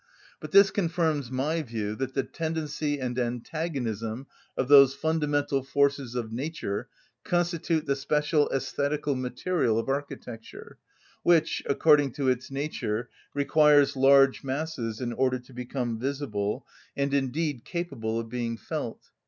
But this confirms my view that the tendency and antagonism of those fundamental forces of nature constitute the special æsthetical material of architecture, which, according to its nature, requires large masses in order to become visible, and indeed capable of being felt.